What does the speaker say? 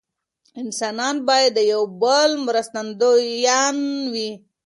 انسانان باید د یو بل مرستندویان وي.